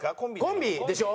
コンビでしょ？